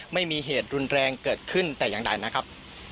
ไม่มีเหตุรุนแรงเกิดขึ้นแต่อย่างใดนะครับ